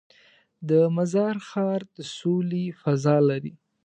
د مزار ښار د سولې فضا لري.